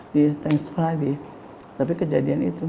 di thanksgiving tapi kejadian itu